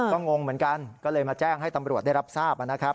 ก็งงเหมือนกันก็เลยมาแจ้งให้ตำรวจได้รับทราบนะครับ